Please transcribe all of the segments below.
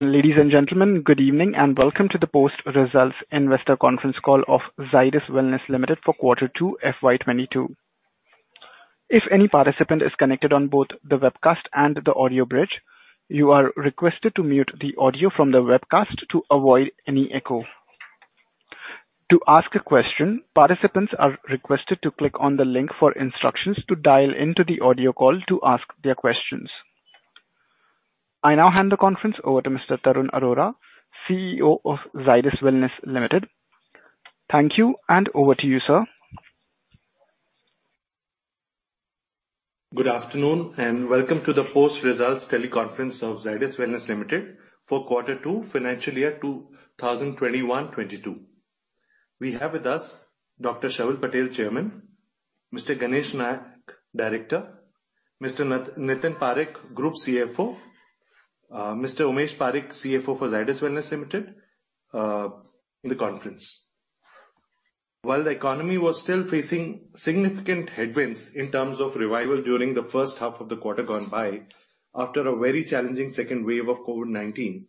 Ladies and gentlemen, good evening, and welcome to the post results investor conference call of Zydus Wellness Limited for quarter two, FY 2022. If any participant is connected on both the webcast and the audio bridge, you are requested to mute the audio from the webcast to avoid any echo. To ask a question, participants are requested to click on the link for instructions to dial into the audio call to ask their questions. I now hand the conference over to Mr. Tarun Arora, CEO of Zydus Wellness Limited. Thank you, and over to you, sir. Good afternoon, and welcome to the post results teleconference of Zydus Wellness Limited for quarter two, FY 2021-2022. We have with us Dr. Sharvil Patel, Chairman, Mr. Ganesh Nayak, Director, Mr. Nitin Parekh, Group CFO, Mr. Umesh Parikh, CFO for Zydus Wellness Limited, in the conference. While the economy was still facing significant headwinds in terms of revival during the first half of the quarter gone by, after a very challenging second wave of COVID-19,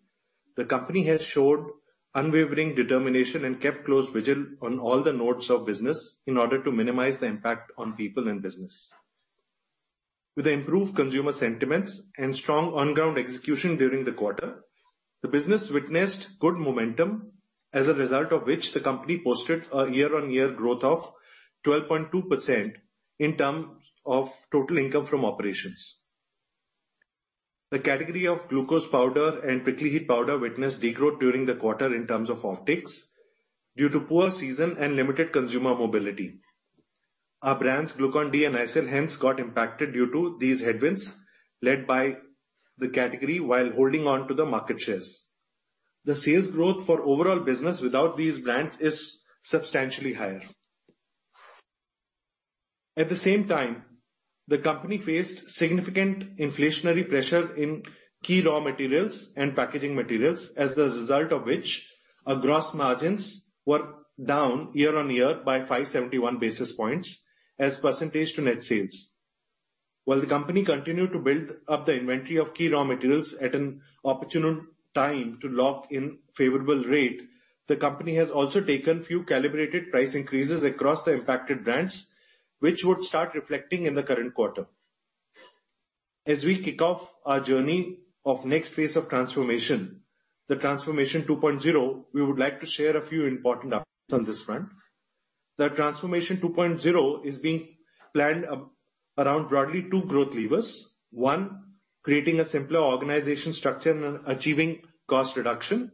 the company has showed unwavering determination and kept close vigil on all the nodes of business in order to minimize the impact on people and business. With the improved consumer sentiments and strong on-ground execution during the quarter, the business witnessed good momentum as a result of which the company posted a year-over-year growth of 12.2% in terms of total income from operations. The category of glucose powder and prickly heat powder witnessed decline during the quarter in terms of optics due to poor season and limited consumer mobility. Our brands, Glucon-D and Nycil hence got impacted due to these headwinds led by the category while holding on to the market shares. The sales growth for overall business without these brands is substantially higher. At the same time, the company faced significant inflationary pressure in key raw materials and packaging materials. As the result of which our gross margins were down year-on-year by 571 basis points as percentage to net sales. While the company continued to build up the inventory of key raw materials at an opportune time to lock in favorable rate, the company has also taken few calibrated price increases across the impacted brands, which would start reflecting in the current quarter. As we kick off our journey of next phase of transformation, the transformation 2.0, we would like to share a few important updates on this front. The transformation 2.0 is being planned around broadly two growth levers. One, creating a simpler organization structure and achieving cost reduction.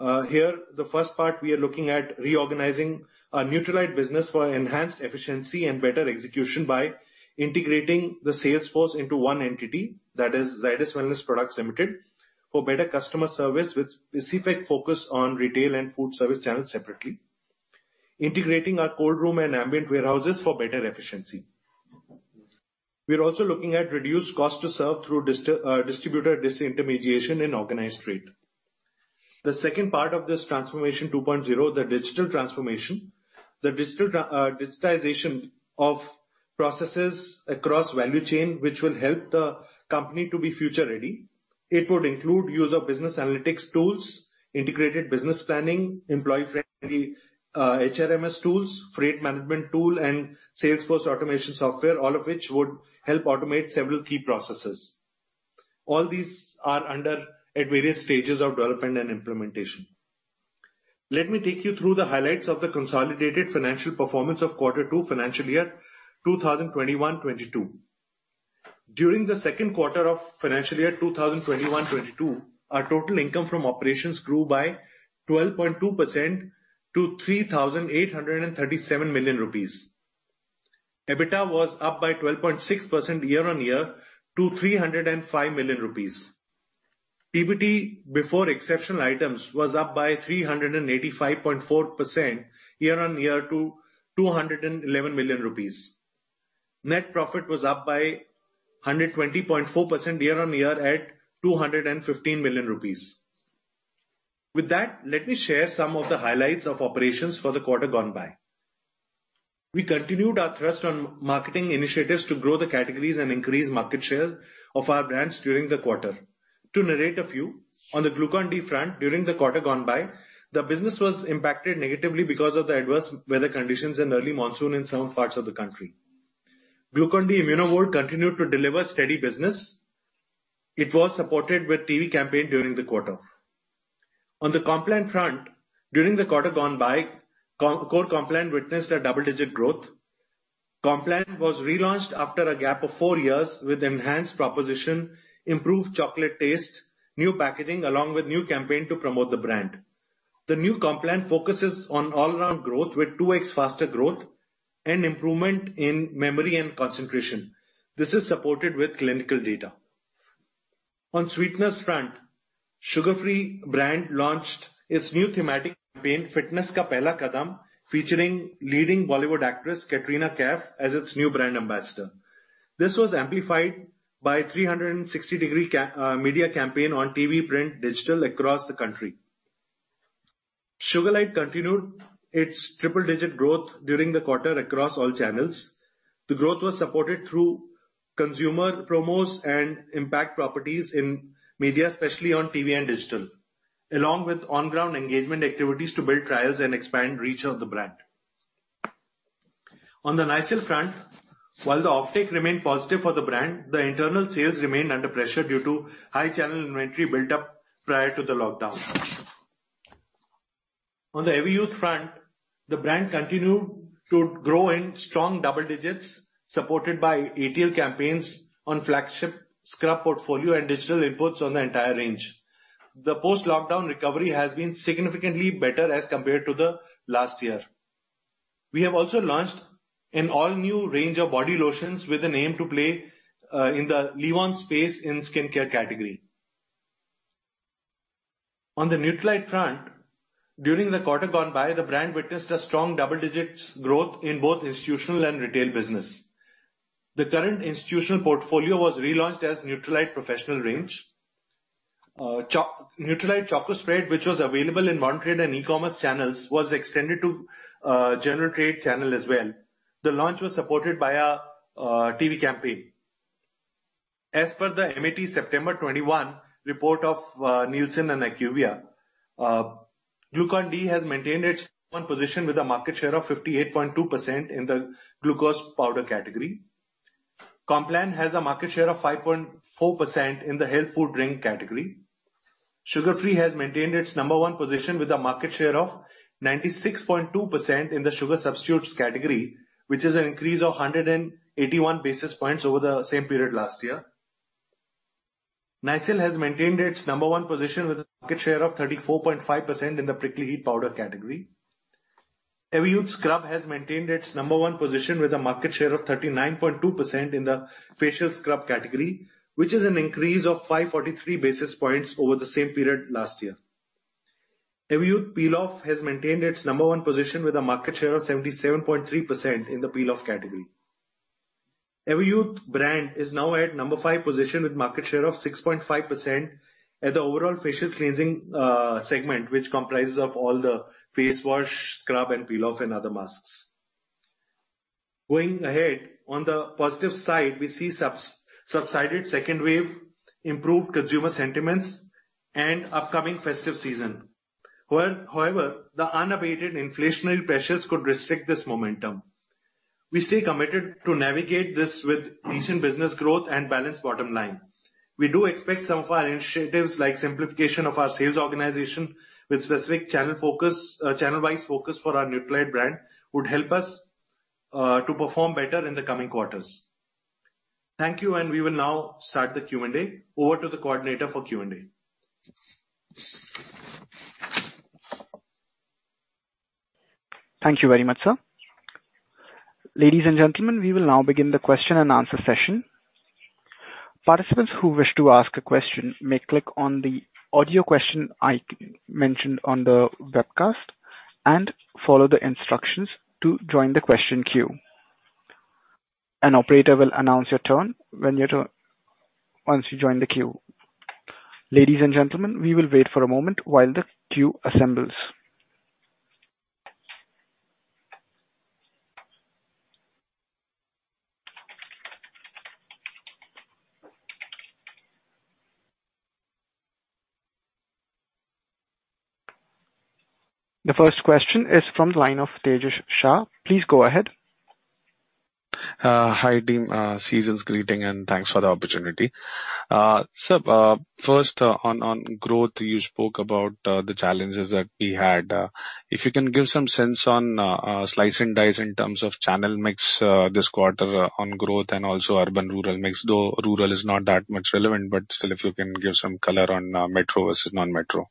Here, the first part we are looking at reorganizing our Nutralite business for enhanced efficiency and better execution by integrating the sales force into one entity, that is Zydus Wellness Products Limited, for better customer service with specific focus on retail and food service channels separately. Integrating our cold room and ambient warehouses for better efficiency. We are also looking at reduced cost to serve through distributor disintermediation and organized retail. The second part of this transformation 2.0, the digital transformation. The digitization of processes across value chain, which will help the company to be future ready. It would include use of business analytics tools, integrated business planning, employee friendly, HRMS tools, freight management tool, and sales force automation software, all of which would help automate several key processes. All these are at various stages of development and implementation. Let me take you through the highlights of the consolidated financial performance of Q2, FY 2021-2022. During the second quarter of FY 2021-2022, our total income from operations grew by 12.2% to 3,837 million rupees. EBITDA was up by 12.6% year-on-year to INR 305 million. PBT before exceptional items was up by 385.4% year-on-year to 211 million rupees. Net profit was up by 120.4% year-on-year at 215 million rupees. With that, let me share some of the highlights of operations for the quarter gone by. We continued our thrust on marketing initiatives to grow the categories and increase market share of our brands during the quarter. To narrate a few, on the Glucon-D front during the quarter gone by, the business was impacted negatively because of the adverse weather conditions and early monsoon in some parts of the country. Glucon-D ImmunoVolt continued to deliver steady business. It was supported with TV campaign during the quarter. On the Complan front, during the quarter gone by, core Complan witnessed a double-digit growth. Complan was relaunched after a gap of four years with enhanced proposition, improved chocolate taste, new packaging, along with new campaign to promote the brand. The new Complan focuses on all-around growth with 2x faster growth and improvement in memory and concentration. This is supported with clinical data. On sweeteners front, Sugar Free brand launched its new thematic campaign, "Fitness Ka Pehla Kadam," featuring leading Bollywood actress Katrina Kaif as its new brand ambassador. This was amplified by 360-degree media campaign on TV, print, digital across the country. Sugarlite continued its triple-digit growth during the quarter across all channels. The growth was supported through consumer promos and impact properties in media, especially on TV and digital, along with on-ground engagement activities to build trials and expand reach of the brand. On the Nycil front, while the offtake remained positive for the brand, the internal sales remained under pressure due to high channel inventory build-up prior to the lockdown. On the Everyuth front, the brand continued to grow in strong double digits, supported by ATL campaigns on flagship scrub portfolio and digital inputs on the entire range. The post-lockdown recovery has been significantly better as compared to the last year. We have also launched an all-new range of body lotions with an aim to play in the leave-on space in skincare category. On the Nutralite front, during the quarter gone by, the brand witnessed a strong double digits growth in both institutional and retail business. The current institutional portfolio was relaunched as Nutralite Professional Range. Nutralite Choco Spread, which was available in modern trade and e-commerce channels, was extended to general trade channel as well. The launch was supported by a TV campaign. As per the MAT September 2021 report of Nielsen and IQVIA, Glucon-D has maintained its number one position with a market share of 58.2% in the glucose powder category. Complan has a market share of 5.4% in the health food drink category. Sugar Free has maintained its number one position with a market share of 96.2% in the sugar substitutes category, which is an increase of 181 basis points over the same period last year. Nycil has maintained its number one position with a market share of 34.5% in the prickly heat powder category. Everyuth Scrub has maintained its number one position with a market share of 39.2% in the facial scrub category, which is an increase of 543 basis points over the same period last year. Everyuth Peel-Off has maintained its number one position with a market share of 77.3% in the peel-off category. Everyuth brand is now at number five position with market share of 6.5% at the overall facial cleansing segment, which comprises of all the face wash, scrub, and peel-off and other masks. Going ahead, on the positive side, we see subsided second wave, improved consumer sentiments and upcoming festive season. However, the unabated inflationary pressures could restrict this momentum. We stay committed to navigate this with decent business growth and balanced bottom line. We do expect some of our initiatives, like simplification of our sales organization with specific channel focus, channel-wise focus for our Nutralite brand, would help us, to perform better in the coming quarters. Thank you, and we will now start the Q&A. Over to the coordinator for Q&A. Thank you very much, sir. Ladies and gentlemen, we will now begin the question-and-answer session. Participants who wish to ask a question may click on the audio question icon mentioned on the webcast and follow the instructions to join the question queue. An operator will announce your turn once you join the queue. Ladies and gentlemen, we will wait for a moment while the queue assembles. The first question is from the line of Tejas Shah. Please go ahead. Hi, team. Season's greetings, and thanks for the opportunity. So, first, on growth, you spoke about the challenges that we had. If you can give some sense on slice and dice in terms of channel mix this quarter on growth and also urban rural mix. Though rural is not that much relevant. Still, if you can give some color on metro versus non-metro.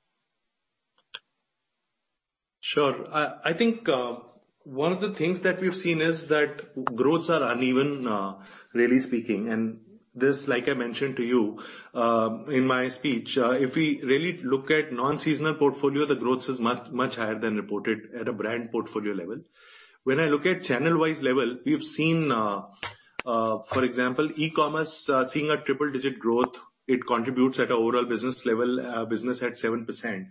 Sure. I think one of the things that we've seen is that growths are uneven, really speaking, and this, like I mentioned to you, in my speech, if we really look at non-seasonal portfolio, the growth is much, much higher than reported at a brand portfolio level. When I look at channel-wise level, we've seen, for example, e-commerce seeing a triple-digit growth. It contributes at an overall business level, business at 7%.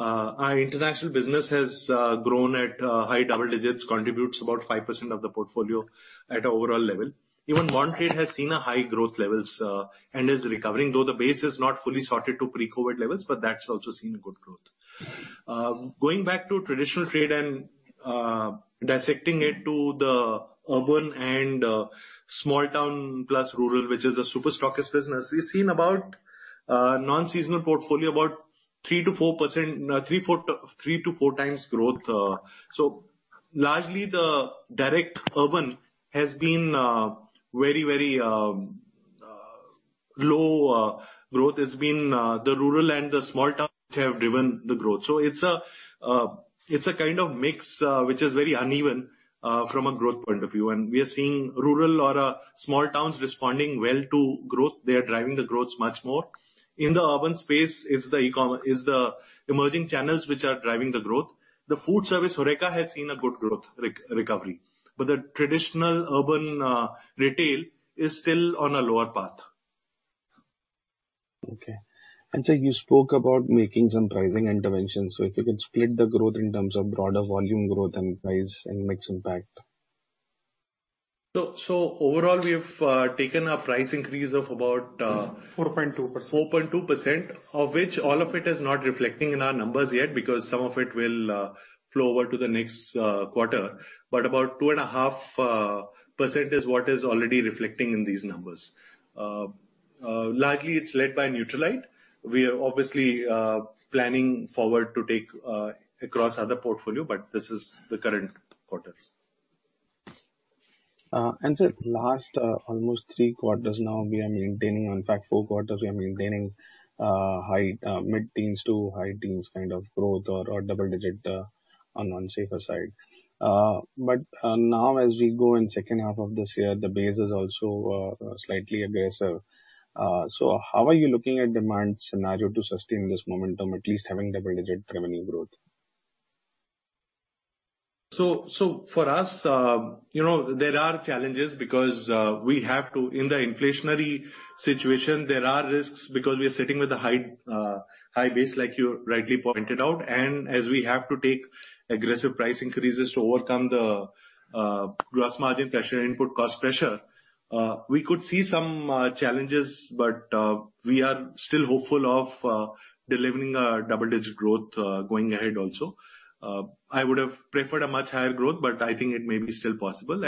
Our international business has grown at high double digits, contributes about 5% of the portfolio at an overall level. Even modern trade has seen a high growth levels and is recovering. Though the base is not fully sorted to pre-COVID levels, but that's also seen a good growth. Going back to traditional trade and dissecting it to the urban and small town plus rural, which is the super stockist business, we've seen about non-seasonal portfolio about 3x-4x growth. So largely the direct urban has been very low. Growth has been the rural and the small towns which have driven the growth. It's a kind of mix which is very uneven from a growth point of view. We are seeing rural or small towns responding well to growth. They are driving the growth much more. In the urban space, it's the e-commerce, it's the emerging channels which are driving the growth. The food service, HORECA, has seen a good growth recovery. The traditional urban retail is still on a lower path. Okay. Sir, you spoke about making some pricing interventions. If you could split the growth in terms of broader volume growth and price and mix impact? Overall, we have taken a price increase of about. 4.2%. 4.2%, of which all of it is not reflecting in our numbers yet because some of it will flow over to the next quarter. About 2.5% is what is already reflecting in these numbers. Largely it's led by Nutralite. We are obviously planning forward to take across other portfolio, but this is the current quarters. Sir, last almost three quarters now we are maintaining. In fact, four quarters we are maintaining high mid-teens to high-teens kind of growth or double-digit, on safer side. Now as we go in second half of this year, the base is also slightly aggressive. How are you looking at demand scenario to sustain this momentum, at least having double-digit revenue growth? For us, you know, there are challenges because we have to. In the inflationary situation, there are risks because we are sitting with a high base like you rightly pointed out. As we have to take aggressive price increases to overcome the gross margin pressure, input cost pressure, we could see some challenges. We are still hopeful of delivering a double-digit growth going ahead also. I would have preferred a much higher growth, but I think it may be still possible.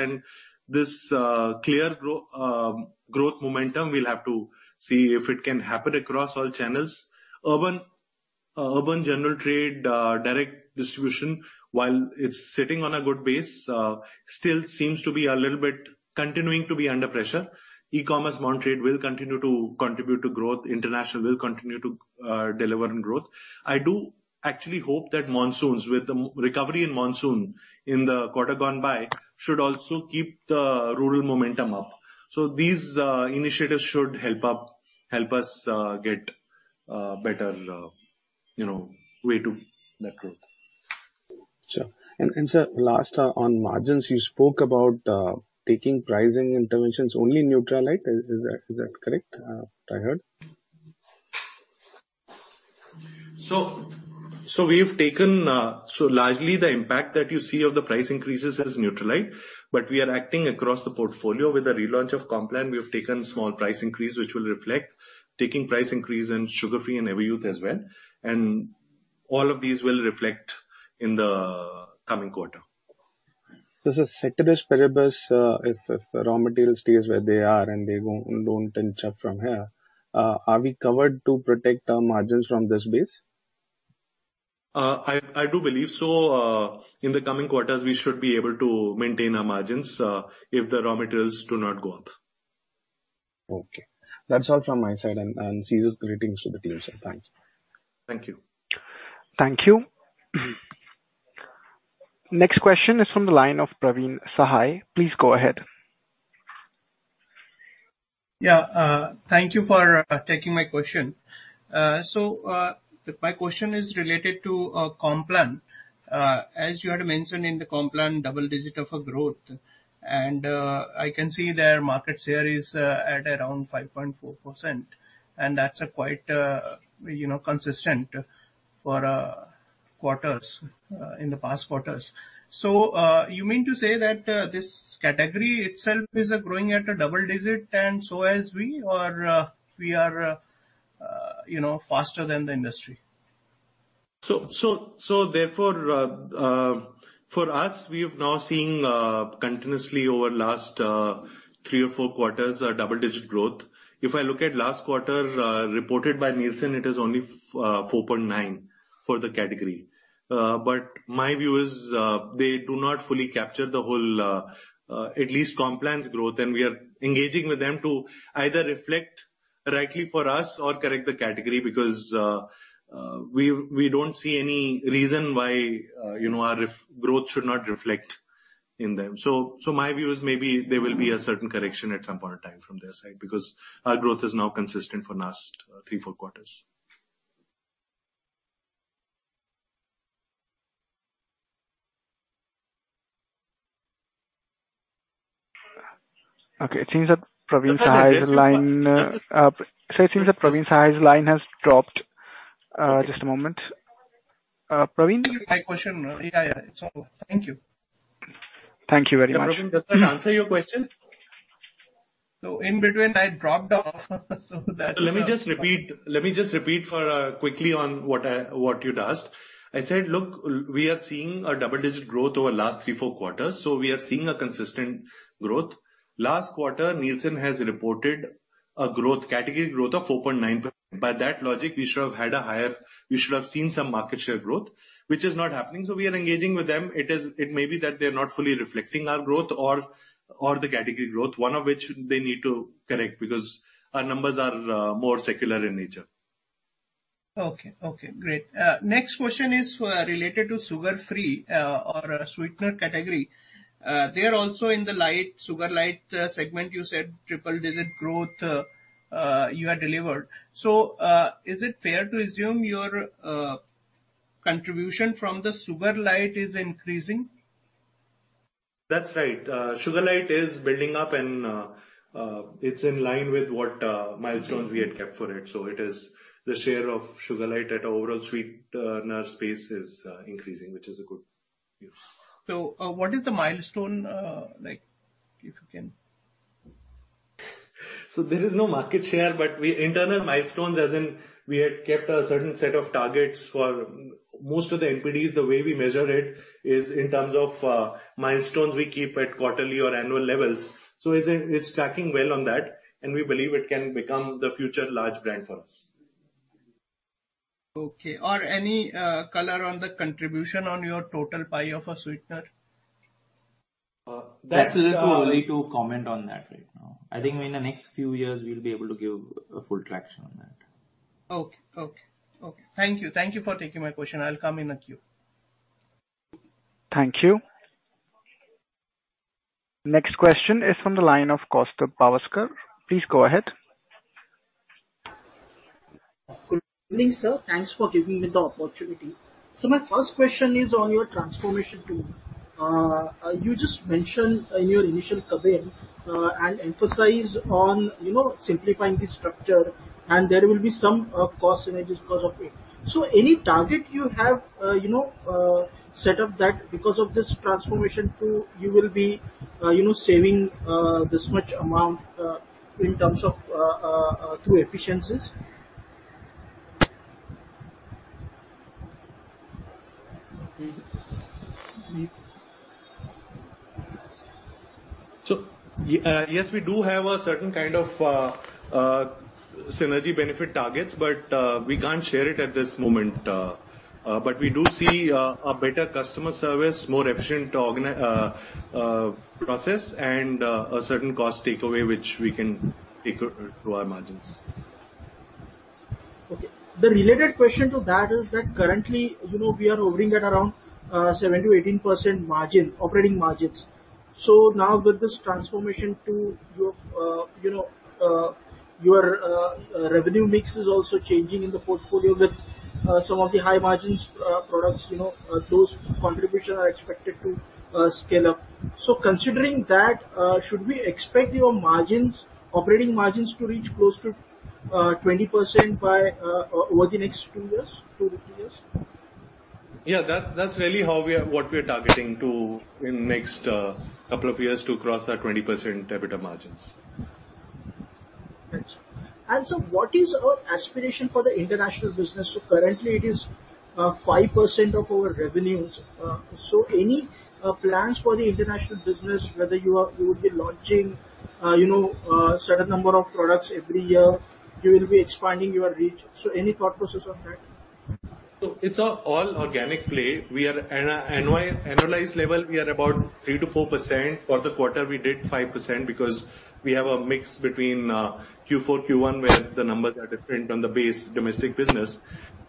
This clear growth momentum, we'll have to see if it can happen across all channels. Urban general trade, direct distribution, while it's sitting on a good base, still seems to be a little bit continuing to be under pressure. E-commerce modern trade will continue to contribute to growth. International will continue to deliver on growth. I do actually hope that monsoons, with the recovery in monsoon in the quarter gone by should also keep the rural momentum up. These initiatives should help us get better, you know, way to net worth. Sure. Sir, last on margins, you spoke about taking pricing interventions only Nutralite. Is that correct that I heard? Largely the impact that you see of the price increases is Nutralite, but we are acting across the portfolio. With the relaunch of Complan, we have taken small price increase which will reflect. Taking price increase in Sugar Free and Everyuth as well. All of these will reflect in the coming quarter. Ceteris paribus, if raw material stays where they are and they don't inch up from here, are we covered to protect our margins from this base? I do believe so. In the coming quarters, we should be able to maintain our margins, if the raw materials do not go up. Okay. That's all from my side. Season's greetings to the team, sir. Thanks. Thank you. Thank you. Next question is from the line of Praveen Sahay. Please go ahead. Thank you for taking my question. My question is related to Complan. As you had mentioned in the Complan, double-digit growth. I can see their market share is at around 5.4%, and that's quite, you know, consistent for quarters in the past quarters. You mean to say that this category itself is growing at double-digit and so are we, you know, faster than the industry? Therefore, for us, we have now seen continuously over the last three or four quarters a double-digit growth. If I look at the last quarter reported by Nielsen, it is only 4.9% for the category. My view is they do not fully capture the whole, at least Complan's growth, and we are engaging with them to either reflect rightly for us or correct the category because we don't see any reason why, you know, our growth should not reflect in them. My view is maybe there will be a certain correction at some point in time from their side, because our growth is now consistent for the last three or four quarters. Okay. It seems that Praveen Sahay's line has dropped, Sir. Just a moment. Praveen? Did you get my question? Yeah, yeah. It's all. Thank you. Thank you very much. Yeah, Praveen, does that answer your question? No, in between I dropped off so that. Let me just repeat for quickly on what you'd asked. I said, look, we are seeing a double-digit growth over last three, four quarters, so we are seeing a consistent growth. Last quarter, Nielsen has reported a growth, category growth of 4.9%. By that logic we should have seen some market share growth, which is not happening. We are engaging with them. It may be that they're not fully reflecting our growth or the category growth, one of which they need to correct because our numbers are more secular in nature. Okay. Okay, great. Next question is related to Sugar Free or sweetener category. There also in the Sugarlite segment you said triple digit growth you had delivered. Is it fair to assume your contribution from the Sugarlite is increasing? That's right. Sugarlite is building up and it's in line with what milestones we had kept for it. It is the share of Sugarlite at our overall sweetener space is increasing, which is a good use. What is the milestone? Like, if you can There is no market share, but internal milestones, as in we had kept a certain set of targets for most of the NPDs, the way we measure it is in terms of milestones we keep at quarterly or annual levels. It's tracking well on that, and we believe it can become the future large brand for us. Okay. Any color on the contribution on your total pie of a sweetener? That's a little early to comment on that right now. I think in the next few years we'll be able to give a full traction on that. Okay. Thank you. Thank you for taking my question. I'll come in the queue. Thank you. Next question is from the line of Kaustubh Pawaskar. Please go ahead. Good evening, sir. Thanks for giving me the opportunity. My first question is on your Transformation 2.0. You just mentioned in your initial comment and emphasize on, you know, simplifying the structure, and there will be some cost synergies because of it. Any target you have, you know, set up that because of this Transformation 2.0 you will be, you know, saving this much amount in terms of through efficiencies? Yes, we do have a certain kind of synergy benefit targets, but we do see a better customer service, more efficient process and a certain cost takeaway which we can take to our margins. Okay. The related question to that is that currently, you know, we are hovering at around 7%-18% margin, operating margins. Now with this Transformation 2.0, your, you know, your revenue mix is also changing in the portfolio with some of the high margins products, you know, those contribution are expected to scale up. Considering that, should we expect your margins, operating margins to reach close to 20% by over the next two years, two to three years? That's really what we are targeting in the next couple of years to cross that 20% EBITDA margins. Thanks. What is our aspiration for the international business? Currently it is 5% of our revenues. Any plans for the international business, whether you would be launching you know a certain number of products every year, you will be expanding your reach. Any thought process on that? It's an all organic play. We are at an annualized level; we are about 3%-4%. For the quarter, we did 5% because we have a mix between Q4, Q1, where the numbers are different on the base domestic business.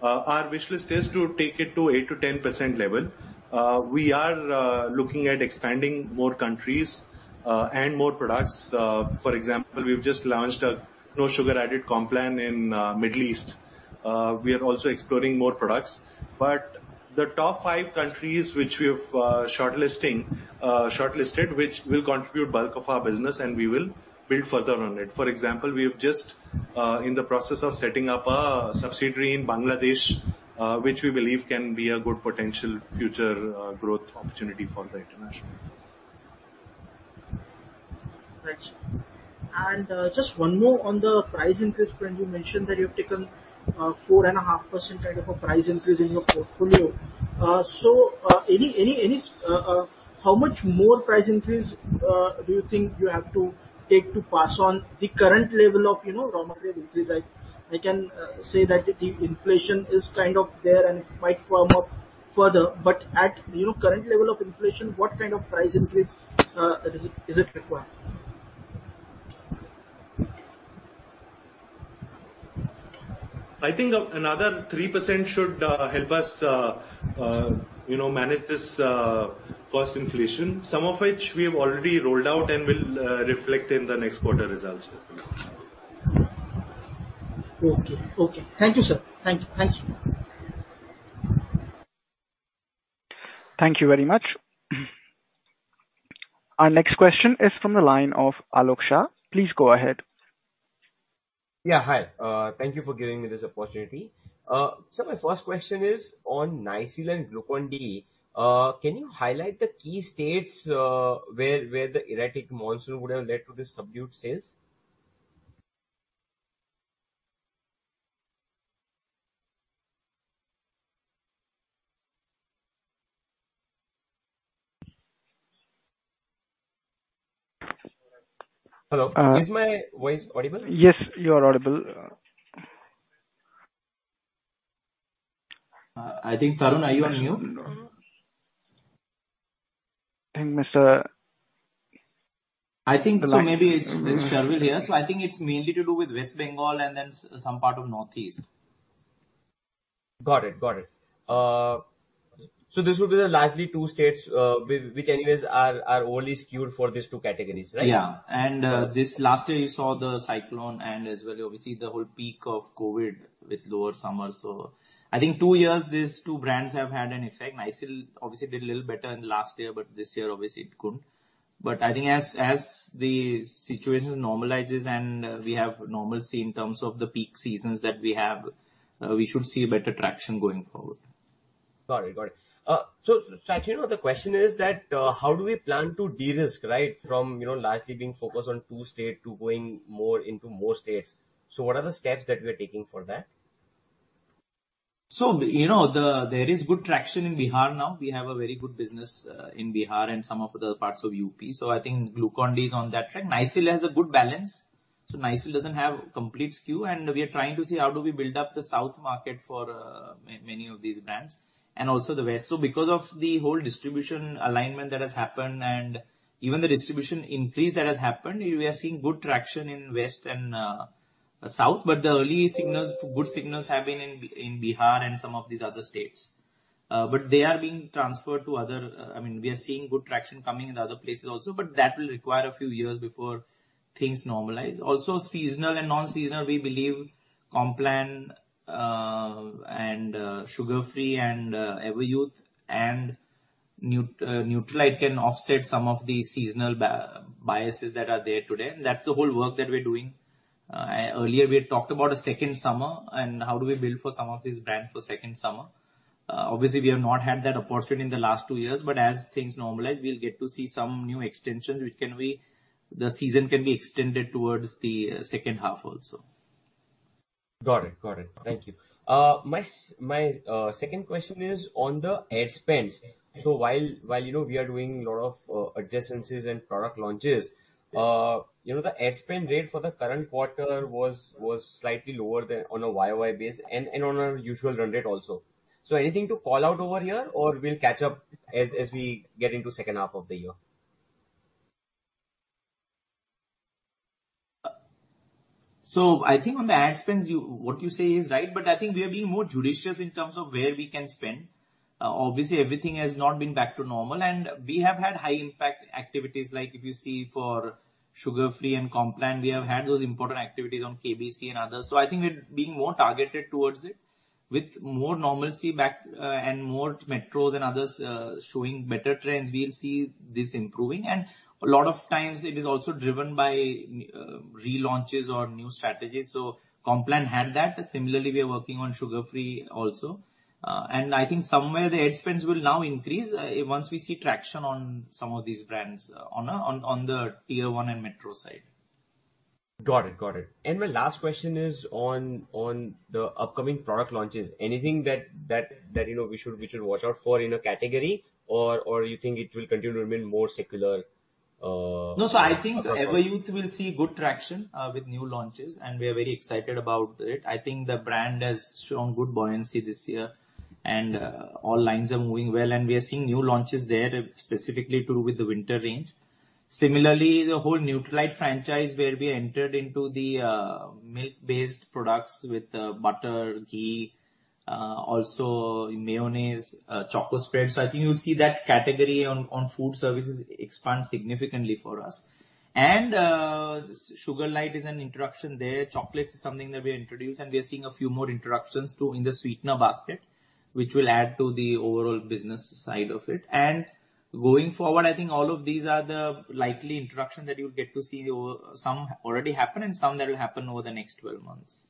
Our wish list is to take it to 8%-10% level. We are looking at expanding more countries and more products. For example, we've just launched a no sugar added Complan in the Middle East. We are also exploring more products. The top five countries which we have shortlisted will contribute bulk of our business and we will build further on it. For example, we have just in the process of setting up a subsidiary in Bangladesh, which we believe can be a good potential future growth opportunity for the international. Thanks. Just one more on the price increase point. You mentioned that you have taken 4.5% kind of a price increase in your portfolio. How much more price increase do you think you have to take to pass on the current level of, you know, raw material increase? I can say that the inflation is kind of there and it might firm up further. At, you know, current level of inflation, what kind of price increase is it required? I think another 3% should help us, you know, manage this cost inflation, some of which we have already rolled out and will reflect in the next quarter results hopefully. Okay. Thank you, sir. Thanks. Thank you very much. Our next question is from the line of Aalok Shah. Please go ahead. Yeah. Hi, thank you for giving me this opportunity. My first question is on Nycil and Glucon-D. Can you highlight the key states where the erratic monsoon would have led to the subdued sales? Hello? Is my voice audible? Yes, you are audible. I think, Tarun, are you on mute? I think. I think so maybe it's Sharvil here. I think it's mainly to do with West Bengal and then some part of Northeast. Got it. This would be the likely two states, which anyways are only skewed for these two categories, right? Yeah. This last year you saw the cyclone and as well obviously the whole peak of COVID with lower summer. I think two years these two brands have had an effect. Nycil obviously did a little better in last year, but this year obviously it couldn't. I think as the situation normalizes and we have normalcy in terms of the peak seasons that we have, we should see a better traction going forward. Got it. Actually, no, the question is that, how do we plan to de-risk, right? From you know, largely being focused on two states to going more into more states. What are the steps that we are taking for that? You know, there is good traction in Bihar now. We have a very good business in Bihar and some of the parts of UP. I think Glucon-D is on that track. Nycil has a good balance. Nycil doesn't have complete SKU, and we are trying to see how do we build up the South market for many of these brands, and also the West. Because of the whole distribution alignment that has happened and even the distribution increase that has happened, we are seeing good traction in West and South. The early signals, good signals have been in Bihar and some of these other states. I mean, we are seeing good traction coming in other places also, but that will require a few years before things normalize. Also, seasonal and non-seasonal, we believe Complan, and Sugar Free and Everyuth and Nutralite can offset some of the seasonal biases that are there today. That's the whole work that we're doing. Earlier we had talked about a second summer and how do we build for some of these brand for second summer. Obviously we have not had that opportunity in the last two years, but as things normalize, we'll get to see some new extensions. The season can be extended towards the second half also. Got it. Thank you. My second question is on the ad spends. While you know we are doing a lot of adjustments and product launches. Yes. You know, the ad spend rate for the current quarter was slightly lower than on a YOY base and on a usual run rate also. Anything to call out over here, or we'll catch up as we get into second half of the year? I think on the ad spends, you what you say is right, but I think we are being more judicious in terms of where we can spend. Obviously everything has not been back to normal, and we have had high impact activities. Like if you see for Sugar Free and Complan, we have had those important activities on KBC and others. I think we're being more targeted towards it. With more normalcy back, and more metros and others showing better trends, we'll see this improving. A lot of times it is also driven by relaunches or new strategies, so Complan had that. Similarly, we are working on Sugar Free also. I think somewhere the ad spends will now increase once we see traction on some of these brands on the tier one and metro side. Got it. My last question is on the upcoming product launches. Anything that you know we should watch out for in a category, or you think it will continue to remain more secular across all? No. I think Everyuth will see good traction with new launches, and we are very excited about it. I think the brand has shown good buoyancy this year and all lines are moving well, and we are seeing new launches there, specifically with the winter range. Similarly, the whole Nutralite franchise where we entered into the milk-based products with butter, ghee, also mayonnaise, choco spread. I think you'll see that category on food services expand significantly for us. Sugarlite is an introduction there. Chocolates is something that we introduced, and we are seeing a few more introductions in the sweetener basket, which will add to the overall business side of it. Going forward, I think all of these are the likely introduction that you'll get to see over. Some already happened and some that will happen over the next 12 months.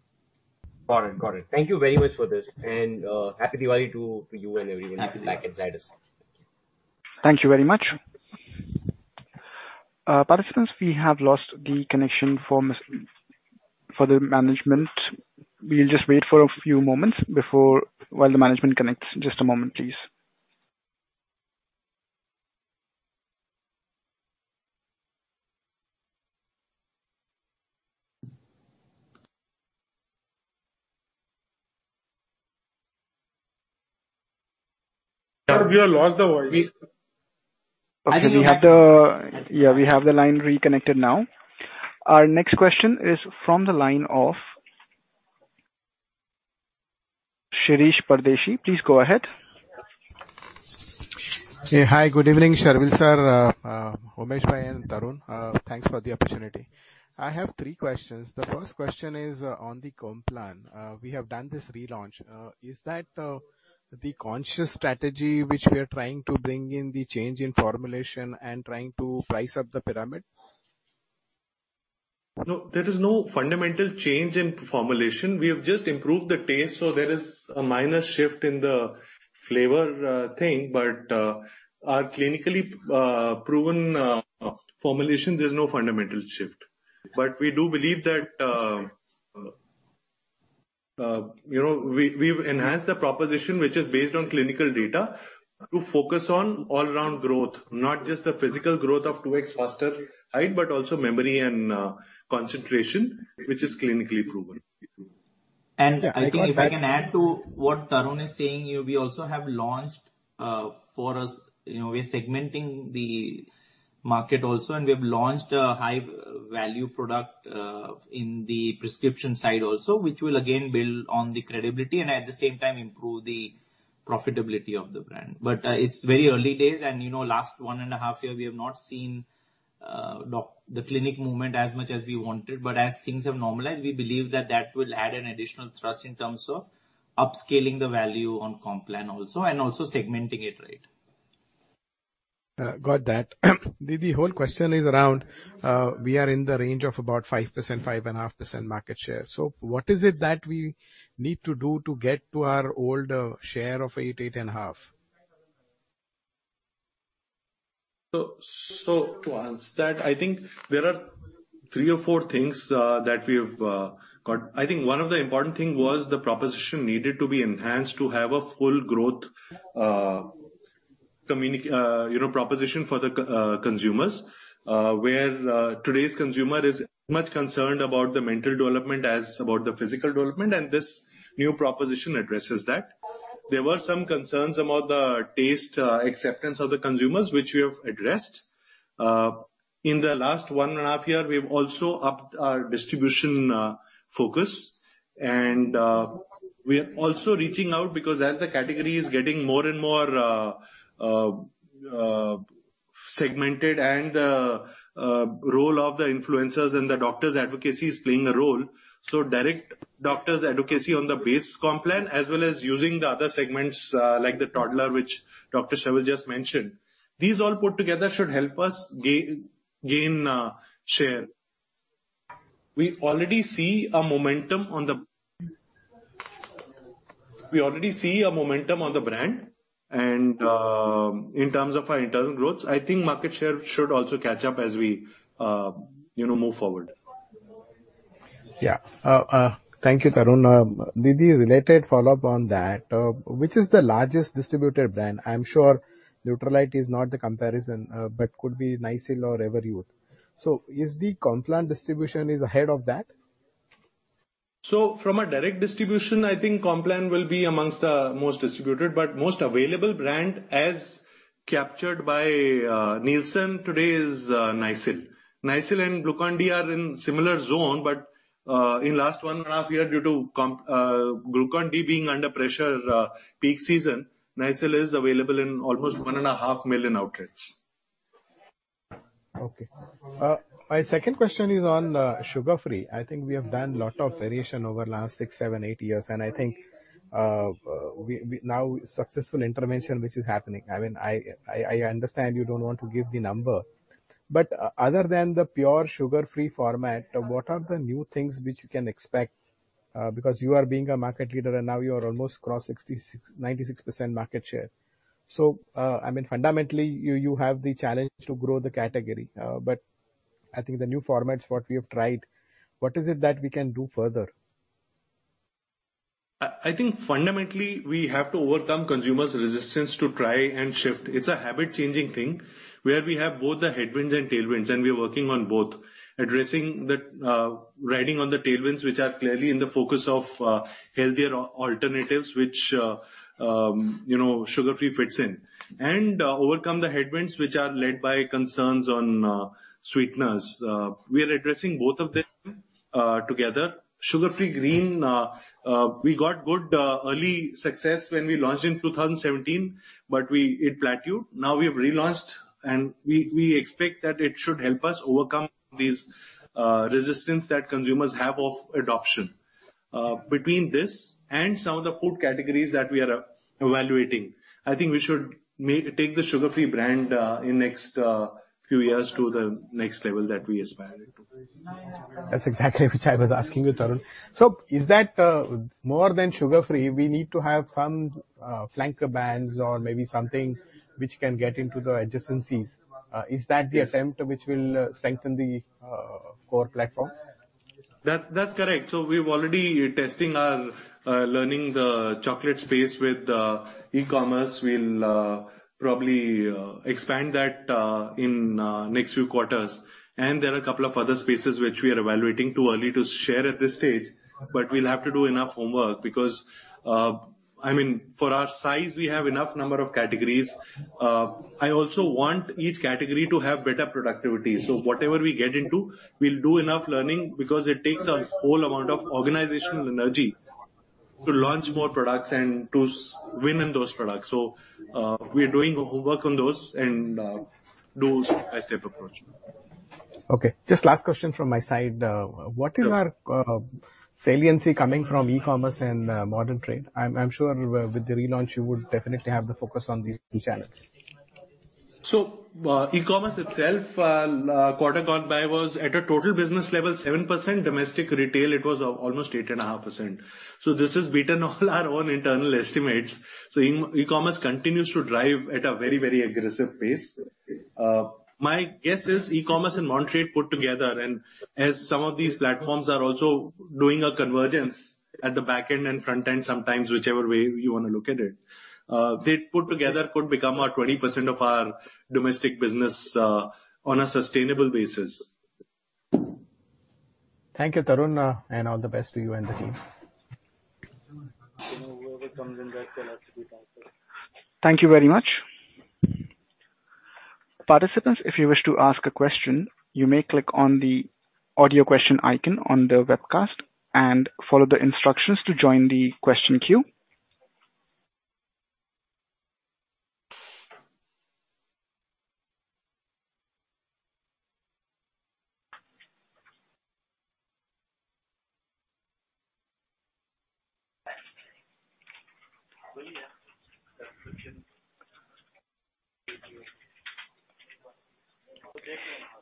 Got it. Thank you very much for this. Happy Diwali to you and everyone. Happy Diwali. back at Zydus. Thank you very much. Participants, we have lost the connection for the management. We'll just wait for a few moments while the management connects. Just a moment please. Sir, we have lost the voice. We- I think we have the- Okay. We have the line reconnected now. Our next question is from the line of Shirish Pardeshi. Please go ahead. Yeah. Hi, good evening, Sharvil, sir, Umesh Parikh, and Tarun. Thanks for the opportunity. I have three questions. The first question is on the Complan. We have done this relaunch. Is that the conscious strategy which we are trying to bring in the change in formulation and trying to price up the pyramid? No, there is no fundamental change in formulation. We have just improved the taste, so there is a minor shift in the flavor thing. Our clinically proven formulation, there's no fundamental shift. We do believe that, you know, we've enhanced the proposition, which is based on clinical data, to focus on all around growth, not just the physical growth of 2x faster height, but also memory and concentration, which is clinically proven. I think if I can add to what Tarun is saying here, we also have launched, for us, you know, we're segmenting the market also, and we have launched a high-value product, in the prescription side also, which will again build on the credibility and at the same time improve the profitability of the brand. It's very early days and, you know, last one and a half year we have not seen, the clinic movement as much as we wanted. As things have normalized, we believe that that will add an additional thrust in terms of upscaling the value on Complan also and also segmenting it, right. Got that. The whole question is around we are in the range of about 5%-5.5% market share. What is it that we need to do to get to our older share of 8%-8.5%? To answer that, I think there are three or four things that we have got. I think one of the important thing was the proposition needed to be enhanced to have a full growth, you know, proposition for the consumers. Where today's consumer is much concerned about the mental development as much about the physical development, and this new proposition addresses that. There were some concerns about the taste acceptance of the consumers, which we have addressed. In the last one and a half year, we've also upped our distribution focus. We are also reaching out because as the category is getting more and more segmented and role of the influencers and the doctors advocacy is playing a role. Direct doctors advocacy on the base Complan as well as using the other segments, like the toddler, which Dr. Sharvil just mentioned. These all put together should help us gain share. We already see a momentum on the brand and, in terms of our internal growth. I think market share should also catch up as we, you know, move forward. Yeah. Thank you, Tarun. I did the related follow-up on that, which is the largest distributor brand? I'm sure Nutralite is not the comparison, but could be Nycil or Revive. Is the Complan distribution ahead of that? From a direct distribution, I think Complan will be amongst the most distributed, but most available brand as captured by Nielsen today is Nycil. Nycil and Glucon-D are in similar zone, but in last one and a half years, due to Glucon-D being under pressure, peak season, Nycil is available in almost 1.5 million outlets. Okay. My second question is on Sugar Free. I think we have done lot of variation over last six, seven, eight years, and I think we now successful intervention which is happening. I mean, I understand you don't want to give the number. Other than the pure Sugar Free format, what are the new things which you can expect? Because you are being a market leader and now you are almost cross 96% market share. I mean, fundamentally, you have the challenge to grow the category. I think the new formats, what we have tried, what is it that we can do further? I think fundamentally, we have to overcome consumers' resistance to try and shift. It's a habit changing thing where we have both the headwinds and tailwinds, and we are working on both. Addressing riding on the tailwinds, which are clearly in the focus of healthier alternatives, which you know, Sugar Free fits in. Overcome the headwinds which are led by concerns on sweeteners. We are addressing both of them together. Sugar Free Green, we got good early success when we launched in 2017, but it plateaued. Now we've relaunched and we expect that it should help us overcome these resistance that consumers have of adoption. Between this and some of the food categories that we are evaluating, I think we should take the Sugar Free brand in next few years to the next level that we aspire it to. That's exactly what I was asking you, Tarun. Is that more than Sugar Free we need to have some flanker brands or maybe something which can get into the adjacencies. Is that the- Yes. attempt which will strengthen the core platform? That's correct. We're already testing our learning the chocolate space with e-commerce. We'll probably expand that in next few quarters. There are a couple of other spaces which we are evaluating, too early to share at this stage. We'll have to do enough homework because I mean, for our size, we have enough number of categories. I also want each category to have better productivity. Whatever we get into, we'll do enough learning because it takes a whole amount of organizational energy to launch more products and to win in those products. We are doing homework on those and do a step approach. Okay. Just last question from my side. What is our saliency coming from e-commerce and modern trade? I'm sure with the relaunch, you would definitely have the focus on these two channels. E-commerce itself, quarter gone by was at a total business level, 7%. Domestic retail, it was almost 8.5%. This has beaten off our own internal estimates. E-commerce continues to drive at a very, very aggressive pace. My guess is e-commerce and modern trade put together, and as some of these platforms are also doing a convergence at the back end and front end, sometimes whichever way you want to look at it, they put together could become 20% of our domestic business, on a sustainable basis. Thank you, Tarun, and all the best to you and the team. You know, whoever comes in next will have to be better. Thank you very much. Participants, if you wish to ask a question, you may click on the audio question icon on the webcast and follow the instructions to join the question queue.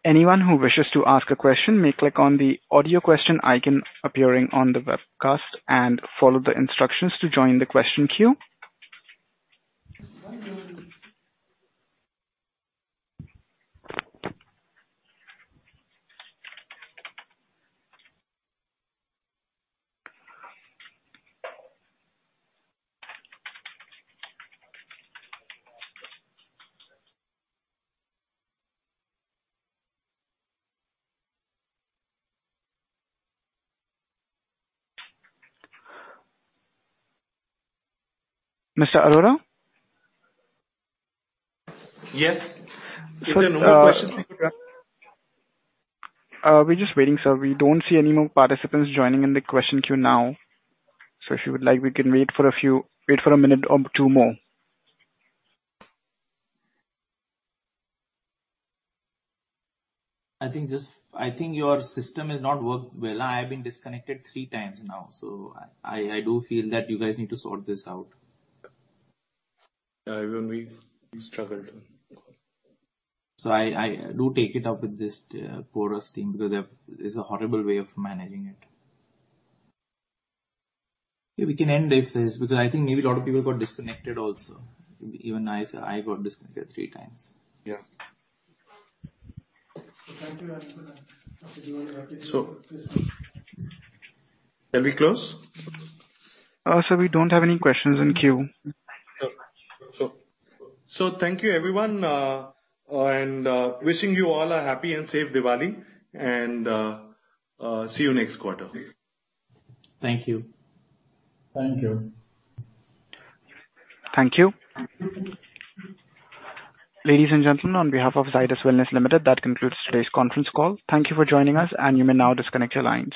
Anyone who wishes to ask a question may click on the audio question icon appearing on the webcast and follow the instructions to join the question queue. Mr. Arora? Yes. If there are no more questions, we could We're just waiting, sir. We don't see any more participants joining in the question queue now. If you would like, we can wait for a minute or two more. I think your system is not working well. I have been disconnected three times now, so I do feel that you guys need to sort this out. Yeah, even we've struggled. I do take it up with this poor team because that is a horrible way of managing it. Yeah, we can end if there's, because I think maybe a lot of people got disconnected also. It'd be even nicer. I got disconnected three times. Yeah. Thank you everyone. Can we close? We don't have any questions in queue. Thank you everyone. Wishing you all a happy and safe Diwali, and see you next quarter. Thank you. Thank you. Thank you. Ladies and gentlemen, on behalf of Zydus Wellness Limited, that concludes today's conference call. Thank you for joining us, and you may now disconnect your lines.